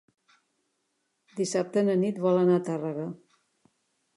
Dissabte na Nit vol anar a Tàrrega.